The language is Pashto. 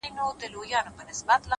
د موخې وضاحت د لارې نیمه اسانتیا ده!